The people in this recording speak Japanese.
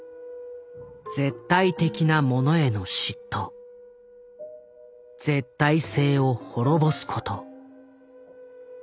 「絶対的なものへの嫉妬」「絶対性を滅ぼすこと」。